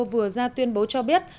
vừa ra tuyên bố cho biết